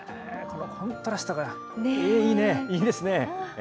このコントラストがいいね、いいですね。